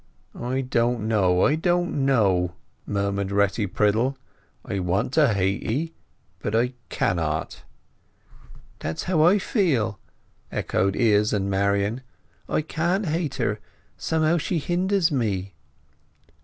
"I don't know—I don't know," murmured Retty Priddle. "I want to hate 'ee; but I cannot!" "That's how I feel," echoed Izz and Marian. "I can't hate her. Somehow she hinders me!"